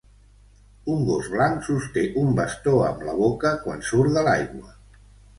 Un gos blanc sosté un bastó amb la boca quan surt de l'aigua.